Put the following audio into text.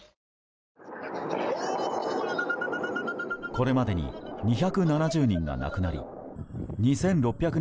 これまでに２７０人が亡くなり２６００